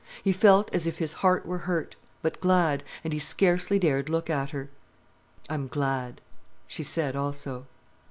He felt as if his heart were hurt, but glad, and he scarcely dared look at her. "I'm glad," she said also.